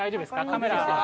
カメラ。